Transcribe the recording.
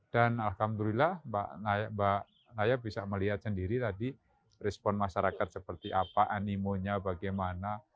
dan alhamdulillah mbak naya bisa melihat sendiri tadi respon masyarakat seperti apa animonya bagaimana